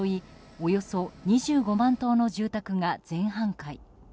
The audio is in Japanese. およそ２５万棟の住宅が全半壊。